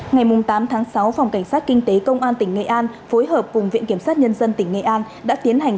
ngày tám tháng sáu phòng cảnh sát kinh tế công an tỉnh nghệ an phối hợp cùng viện kiểm sát nhân dân tỉnh nghệ an đã tiến hành